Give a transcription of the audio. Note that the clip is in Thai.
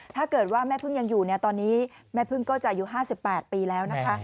ถ้าเกิดว่าแม่พึ่งยังอยู่ตอนนี้แม่พึ่งก็จะอายุ๕๘ปีแล้วนะคะ